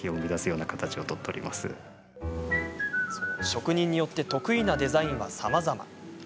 職人によって得意なデザインはさまざま。